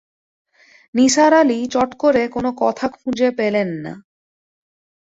নিসার আলি চট করে কোনো কথা খুঁজে পেলেন না।